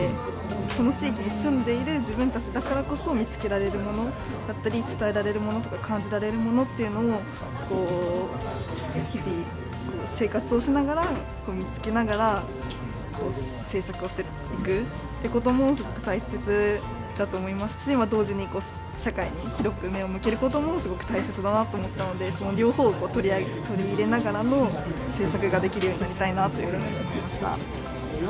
その地域に住んでいる自分たちだからこそ見つけられるものだったり伝えられるものとか感じられるものっていうのを日々生活をしながら見つけながら制作をしていくってこともすごく大切だと思いますし同時に社会に広く目を向けることもすごく大切だなと思ったのでその両方を取り入れながらの制作ができるようになりたいなというふうに思いました。